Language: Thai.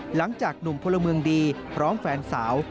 หลังจากหนุ่มพลเมืองดีพร้อมแฟนสาว